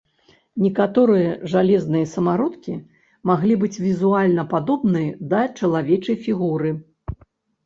Некаторыя жалезныя самародкі маглі быць візуальна падобныя да чалавечай фігуры.